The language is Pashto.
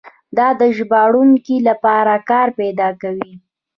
دا د ژباړونکو لپاره کار پیدا کوي.